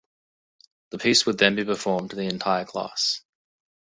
The piece would then be performed to the entire class.